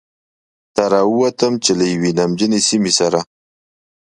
ته را ووتم، چې له یوې نمجنې سیمې سره.